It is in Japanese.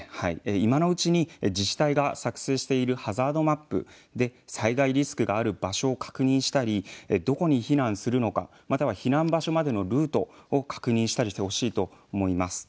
今のうちに自治体が作成しているハザードマップで災害リスクがある場所を確認したりどこに避難するのかまたは避難場所などのルートを確認したりしてほしいと思います。